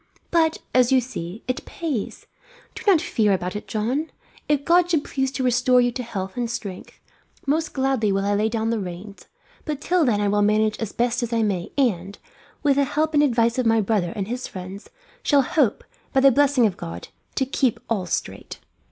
But, as you see, it pays. Do not fear about it, John. If God should please to restore you to health and strength, most gladly will I lay down the reins; but till then I will manage as best I may and, with the help and advice of my brother and his friends, shall hope, by the blessing of God, to keep all straight."